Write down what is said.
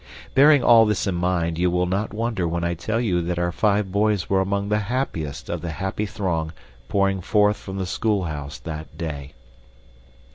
Bearing all this in mind, you will not wonder when I tell you that our five boys were among the happiest of the happy throng pouring forth from the schoolhouse that day.